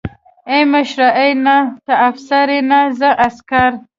ای مشره ای نه ته افسر يې نه زه عسکر.